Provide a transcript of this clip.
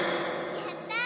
やったー！